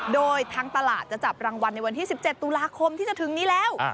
โดยทางตลาดจะจับรางวัลในวันที่๑๗ตุลาคมที่จะถึงนี้แล้ว